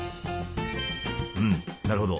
うんなるほど。